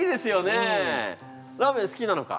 ラーメン好きなのか？